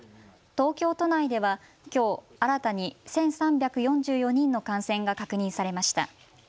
東京都内ではきょう新たに１３４４人の感染が確認されました。